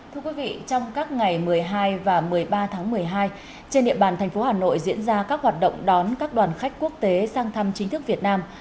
thưa quý vị trong các ngày một mươi hai và một mươi ba tháng một mươi hai trên địa bàn thành phố hà nội diễn ra các hoạt động đón các đoàn khách quốc tế sang thăm chính thức việt nam